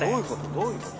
どういうこと？